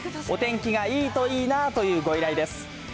お天気がいいといいなというご依頼です。